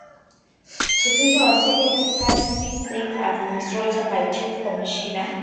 Tripura was taken as a Part-C state administered by Chief Commissioner.